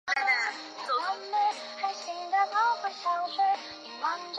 南萨默塞特是一个位于英格兰萨默塞特郡的非都市区。